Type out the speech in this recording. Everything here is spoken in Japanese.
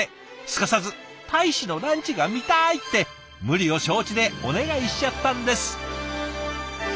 すかさず「大使のランチが見たい！」って無理を承知でお願いしちゃったんです。